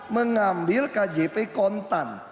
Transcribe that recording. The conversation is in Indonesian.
mengambil kjp kontan